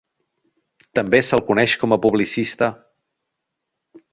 També se'l coneix com a publicista.